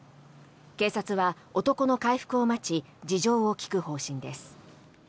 警察は男の回復を待ち事情を聴く方針です。